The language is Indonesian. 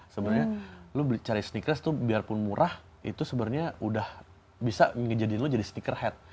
sebenarnya lu cari sneakers itu biarpun murah itu sebenarnya udah bisa ngejadikan lu jadi sneaker head